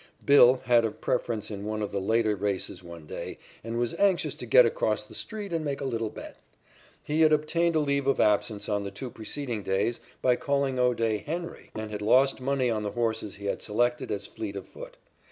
"Bill" had a preference in one of the later races one day and was anxious to get across the street and make a little bet. He had obtained a leave of absence on two preceding days by calling O'Day "Henry" and had lost money on the horses he had selected as fleet of foot.